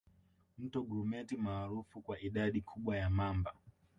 Mto Grumeti maarufu kwa idadi kubwa ya mamba